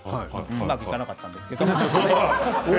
うまくいかなかったんですけれど。